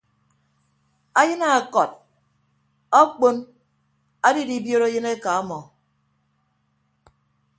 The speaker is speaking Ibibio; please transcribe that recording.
Ayịn ọkọd akpon adidibiot ayịn eka ọmọ.